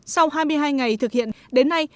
sau hai mươi hai ngày thực hiện đến nay